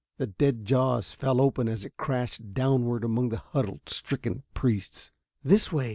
The dead jaws fell open as it crashed downward among the huddled, stricken priests. "This way!"